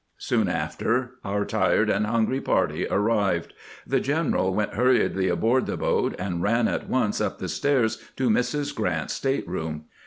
Soon after our tired and hungry party arrived. The general went hurriedly aboard the boat, and ran at once up the stairs to Mrs. Q rant's state room.